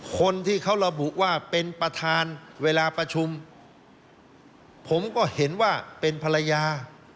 คนที่เขาระบุว่าเป็นประธานเวลาประชุมผมก็เห็นว่าเป็นภรรยา